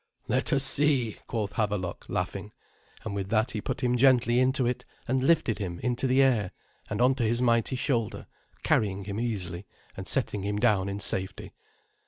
"Let us see," quoth Havelok, laughing; and with that he put him gently into it, and lifted him into the air, and on to his mighty shoulder, carrying him easily, and setting him down in safety.